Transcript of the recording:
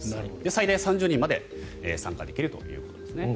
最大３０人まで参加できるということですね。